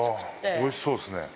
おいしそうですね。